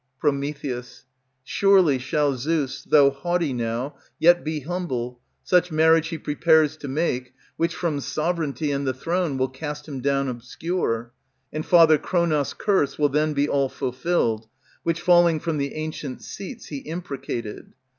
Pr. Surely shall Zeus, though haughty now, Yet be humble, such marriage He prepares to make, which from sovereignty And the throne will cast him down obscure; and Father Kronos' Curse will then be all fulfilled, Which falling from the ancient seats he imprecated.